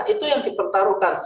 itu yang dipertaruhkan